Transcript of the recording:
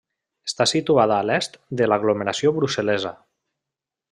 Està situada a l'est de l'aglomeració brussel·lesa.